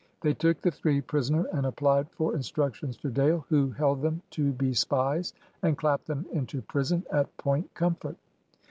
'* They took the three prisoner and applied for instructions to Dale, who held them to be spies and clapped them into prison at Point Comfort.